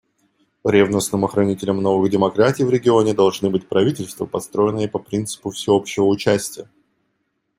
Ревностным охранителем новых демократий в регионе должны быть правительства, построенные по принципу всеобщего участия.